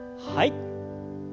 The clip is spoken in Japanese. はい。